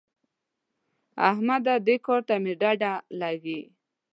احمده! دې کار ته مې ډډه لګېږي.